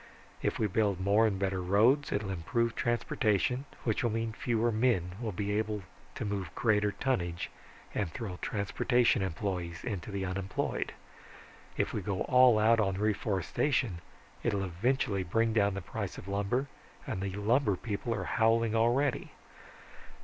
If we build more and better roads, it will improve transportation, which will mean fewer men will be able to move greater tonnage and throw transportation employees into the unemployed. If we go all out for reforestation, it will eventually bring down the price of lumber and the lumber people are howling already.